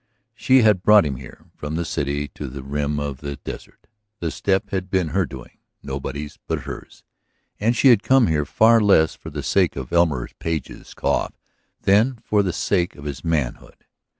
She had brought him here, from the city to the rim of the desert the step had been her doing, nobody's but hers. And she had come here far less for the sake of Elmer Page's cough than for the sake of his manhood.